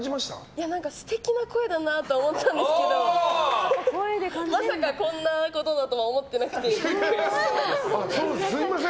いや、何か素敵な声だとは思ったんですけどまさかこんなことだとは思ってなくてビックリしています。